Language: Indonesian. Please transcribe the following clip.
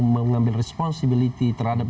mengambil responsibility terhadap